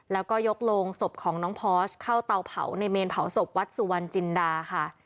แล้วก็ยกโรงศพของน้องพอสเข้าเตาเผาในเมนเผาศพวัดสุวรรณจินดาค่ะ